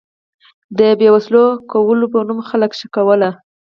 د بې وسلو کولو په نوم خلک شکول.